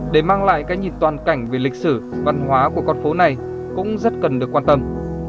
để mang lại cái nhìn toàn cảnh về lịch sử văn hóa của con phố này cũng rất cần được quan tâm